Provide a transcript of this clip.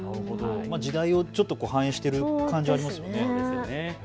時代をちょっと反映している感じもしますね。